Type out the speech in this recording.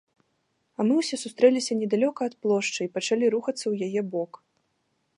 А мы ўсе сустрэліся недалёка ад плошчы і пачалі рухацца ў яе бок.